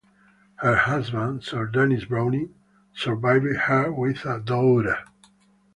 Her husband, Sir Denis Browne, survived her with a daughter.